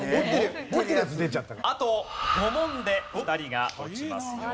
あと５問で２人が落ちますよ。